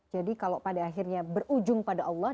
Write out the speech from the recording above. jadi kalau pada akhirnya berujung pada allah